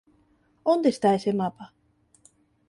Onde está ese mapa?